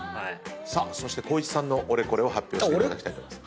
そして光一さんのオレコレを発表していただきたいと思います。